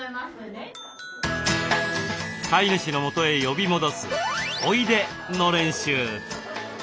飼い主の元へ呼び戻す「おいで」の練習。